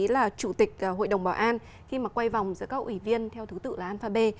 là chủ tịch hội đồng bà an khi mà quay vòng giữa các ủy viên theo thứ tự là anpha b